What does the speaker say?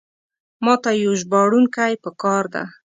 ماته یو ژباړونکی پکار ده.